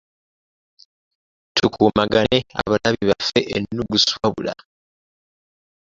Tukuumagane abalabi bafe ennugu Swabra.